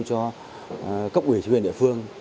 cho cốc ủy thuyền địa phương